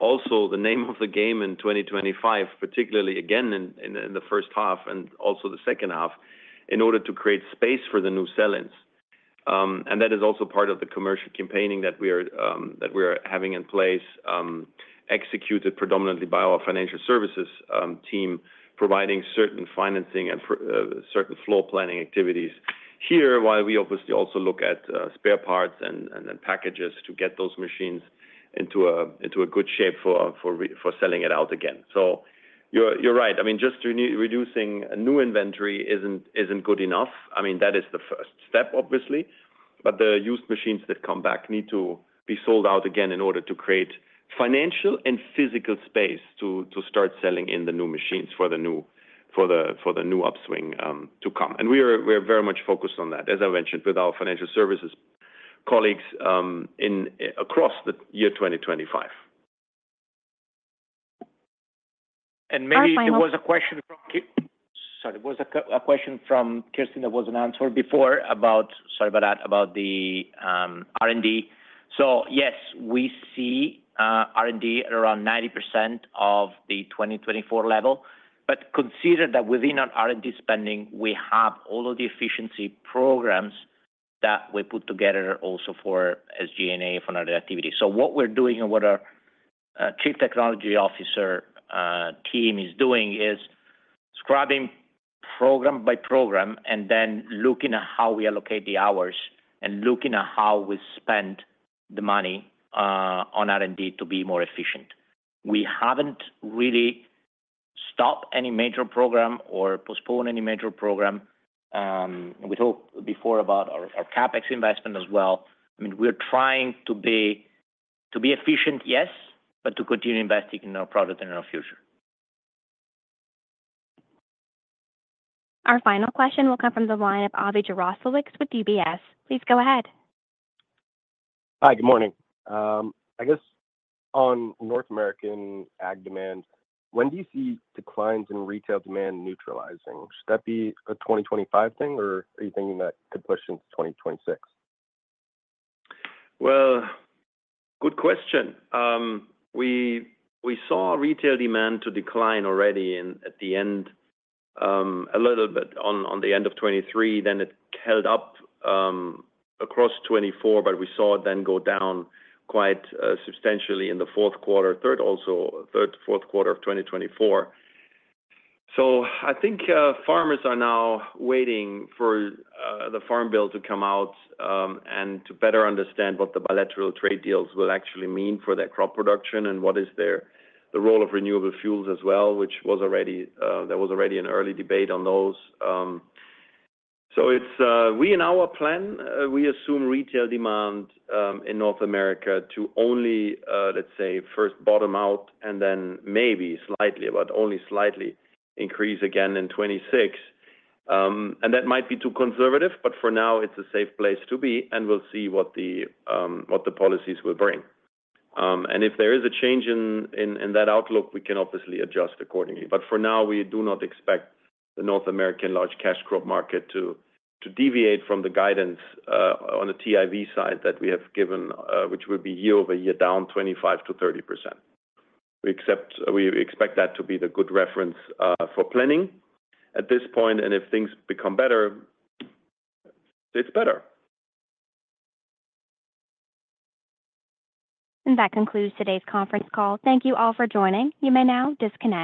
also the name of the game in 2025, particularly again in the first half and also the second half in order to create space for the new sellings. And that is also part of the commercial campaigning that we are having in place, executed predominantly by our financial services team, providing certain financing and certain floor planning activities here, while we obviously also look at spare parts and packages to get those machines into a good shape for selling it out again. So you're right. I mean, just reducing new inventory isn't good enough. I mean, that is the first step, obviously. But the used machines that come back need to be sold out again in order to create financial and physical space to start selling in the new machines for the new upswing to come. And we are very much focused on that, as I mentioned, with our financial services colleagues across the year 2025. And maybe there was a question from Kristen that wasn't answered before about, sorry about that, about the R&D. So yes, we see R&D at around 90% of the 2024 level. But consider that within our R&D spending, we have all of the efficiency programs that we put together also for SG&A for another activity. So what we're doing and what our Chief Technology Officer team is doing is scrubbing program by program and then looking at how we allocate the hours and looking at how we spend the money on R&D to be more efficient. We haven't really stopped any major program or postponed any major program. We talked before about our CapEx investment as well. I mean, we're trying to be efficient, yes, but to continue investing in our product in our future. Our final question will come from the line of Avinatan Jaroslawicz with UBS. Please go ahead. Hi, good morning. I guess on North American ag demand, when do you see declines in retail demand neutralizing? Should that be a 2025 thing, or are you thinking that could push into 2026? Good question. We saw retail demand to decline already at the end, a little bit on the end of 2023. Then it held up across 2024, but we saw it then go down quite substantially in the third and fourth quarters of 2024. I think farmers are now waiting for the Farm Bill to come out and to better understand what the bilateral trade deals will actually mean for their crop production and what is the role of renewable fuels as well, which there was already an early debate on those. In our plan, we assume retail demand in North America to only, let's say, first bottom out and then maybe slightly, but only slightly increase again in 2026. That might be too conservative, but for now, it's a safe place to be, and we'll see what the policies will bring. If there is a change in that outlook, we can obviously adjust accordingly. But for now, we do not expect the North American large cash crop market to deviate from the guidance on the TIV side that we have given, which will be year-over-year down 25%-30%. We expect that to be the good reference for planning at this point. If things become better, it's better. That concludes today's conference call. Thank you all for joining. You may now disconnect.